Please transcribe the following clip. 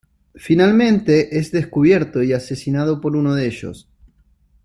Finalmente es descubierto y asesinado por uno de ellos.